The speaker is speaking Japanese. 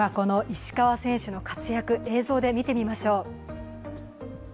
石川選手の活躍、映像で見てみましょう。